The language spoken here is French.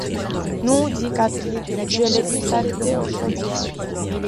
Non, dit Catherine, je l’ai vu s’arrêter aux chaudières.